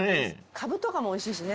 カブとかもおいしいしね。